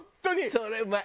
それうまい！